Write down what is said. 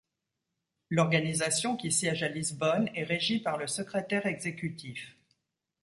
L’organisation qui siège à Lisbonne est régie par le secrétaire exécutif.